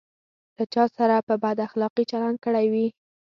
له چا سره په بد اخلاقي چلند کړی وي.